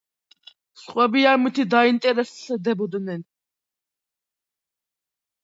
სხვები ამით დაინტერესდებოდნენ.